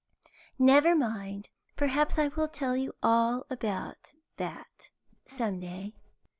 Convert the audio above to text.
Never mind, perhaps I will tell you all about that some day."